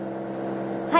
はい。